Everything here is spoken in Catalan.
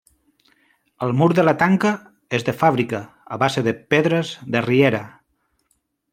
El mur de la tanca és de fàbrica, a base de pedres de riera.